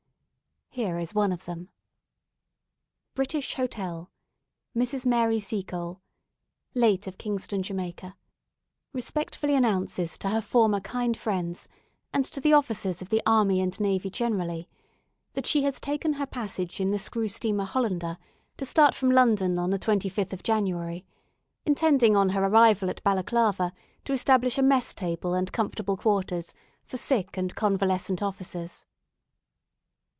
Here is one of them: "BRITISH HOTEL. Mrs. Mary Seacole (Late of Kingston, Jamaica), Respectfully announces to her former kind friends, and to the Officers of the Army and Navy generally, That she has taken her passage in the screw steamer "Hollander," to start from London on the 25th of January, intending on her arrival at Balaclava to establish a mess table and comfortable quarters for sick and convalescent officers."